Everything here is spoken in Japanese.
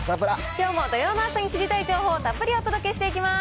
きょうも土曜の朝に知りたい情報をたっぷりお届けしていきます。